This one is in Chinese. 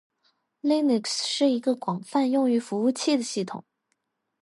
Linux 是一个广泛用于服务器的系统